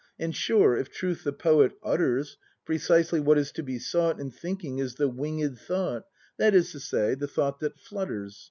And sure, if truth the poet utters. Precisely what is to be sought In thinking is "the winged thought,"— That is to say— the thought that flutters.